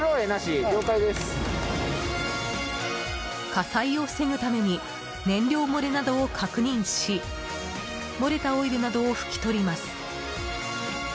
火災を防ぐために燃料漏れなどを確認し漏れたオイルなどを拭き取ります。